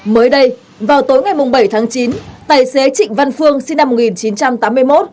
mới đây vào tối ngày bảy tháng chín tài xế trịnh văn phương sinh năm một nghìn chín trăm tám mươi một